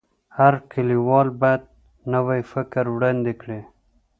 هر لیکوال باید نوی فکر وړاندي کړي.